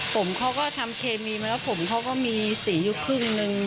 ผมเขาก็ทำเคมีมาแล้วผมเขาก็มีสีอยู่ครึ่งนึง